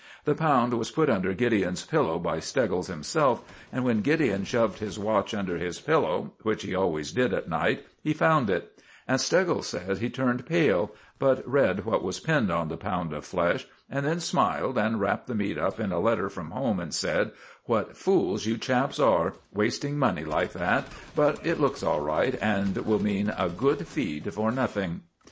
The pound was put under Gideon's pillow by Steggles himself, and when Gideon shoved his watch under his pillow, which he always did at night, he found it; and Steggles says he turned pale, but read what was pinned on the pound of flesh, and then smiled and wrapped the meat up in a letter from home, and said: "What fools you chaps are, wasting money like that! But it looks all right, and will mean a good feed for nothing."